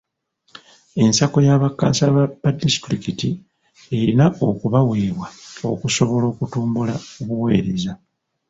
Ensako ya bakansala ba disitulikiti erina okubaweebwa okusobola okutumbula obuweereza.